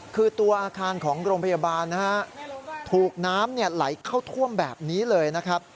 คือตัวอาคารของโรงพยาบาลนะฮะถูกน้ำไหลเข้าท่วมแบบนี้เลยนะครับ